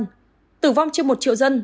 tổng số ca tử vong trên một triệu dân